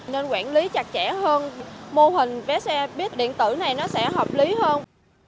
nên quản lý chặt chẽ hơn mô hình vé xe buýt điện tử này sẽ hợp lý hơn